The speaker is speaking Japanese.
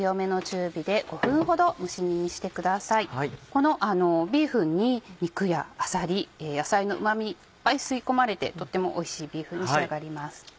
このビーフンに肉やあさり野菜のうま味いっぱい吸い込まれてとってもおいしいビーフンに仕上がります。